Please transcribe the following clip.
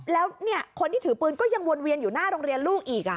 แล้วคนที่ถือปืนก็ยังวนเวียนอยู่หน้าโรงเรียนลูกอีก